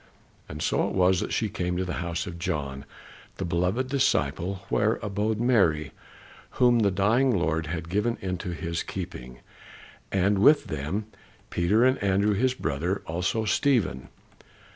And so it was that she came to the house of John, the beloved disciple, where abode Mary, whom the dying Lord had given into his keeping, and with them Peter, and Andrew his brother, also Stephen.